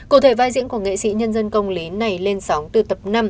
cụ thể vai diễn của nghệ sĩ nhân dân công lý này lên sóng từ tập năm